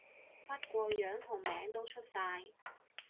不過樣同名都出晒